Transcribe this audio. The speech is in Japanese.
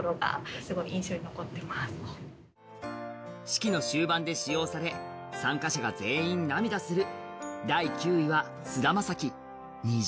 式の終盤で使用され参加者が全員涙する。